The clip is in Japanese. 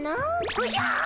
おじゃ！